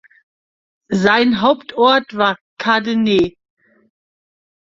Sein Hauptort war Cadenet.